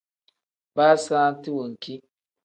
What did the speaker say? Baa saati wenki.